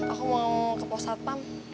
aku mau ke posat pam